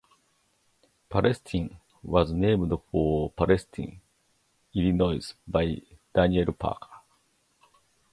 Palestine was named for Palestine, Illinois, by Daniel Parker.